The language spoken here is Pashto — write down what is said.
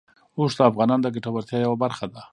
اوښ د افغانانو د ګټورتیا یوه برخه ده.